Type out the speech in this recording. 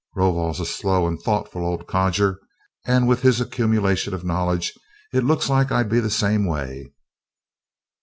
Rovol's a slow and thoughtful old codger, and with his accumulation of knowledge it looks like I'd be the same way."